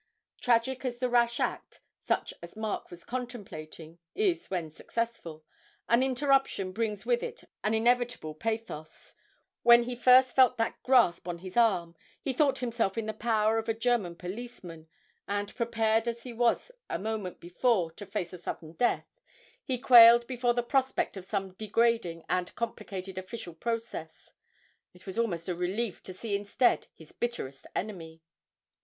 Tragic as a rash act, such as Mark was contemplating, is when successful, an interruption brings with it an inevitable bathos; when he first felt that grasp on his arm, he thought himself in the power of a German policeman, and, prepared as he was a moment before to face a sudden death, he quailed before the prospect of some degrading and complicated official process; it was almost a relief to see instead his bitterest enemy!